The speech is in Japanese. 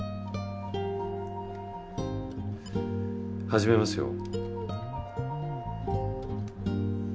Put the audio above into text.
始めますよ。